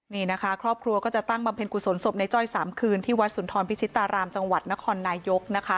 นี่นะคะครอบครัวก็จะตั้งบำเพ็ญกุศลศพในจ้อย๓คืนที่วัดสุนทรพิชิตารามจังหวัดนครนายกนะคะ